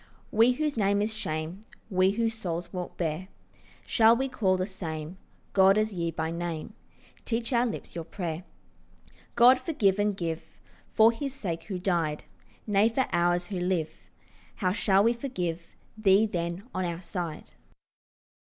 We whose name is shame, We whose souls walk bare, Shall we call the same God as ye by name, Teach our lips your prayer? God, forgive and give, For His sake who died? Nay, for ours who live, How shall we forgive Thee, then, on our side?